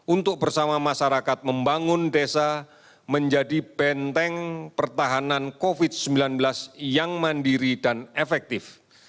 untuk bersama masyarakat membangun desa menjadi benteng pertahanan covid sembilan belas yang mandiri dan efektif